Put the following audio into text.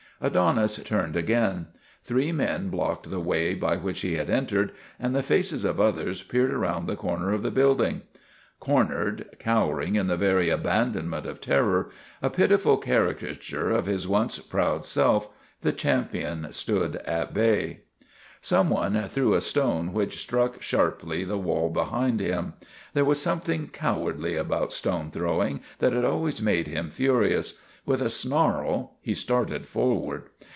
Adonis turned again. Three men blocked the way by which he had entered, and the faces of others peered around the corner of the building. Cornered, cowering in the very abandonment of terror, a pitiful caricature of his once proud self, the champion stood at bay. THE RETURN OF THE CHAMPION 305 Some one threw a stone which struck sharply the wall behind him. There was something cowardly about stone throwing that had always made him furious. With a snarl he started forward.